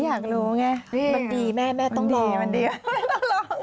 มันดีแม่ต้องลอง